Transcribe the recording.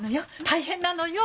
大変なのよ。